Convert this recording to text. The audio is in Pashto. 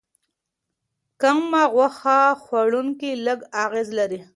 کم غوښه خوړونکي لږ اغېز لري.